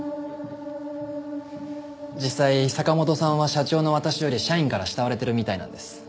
実際坂本さんは社長の私より社員から慕われてるみたいなんです。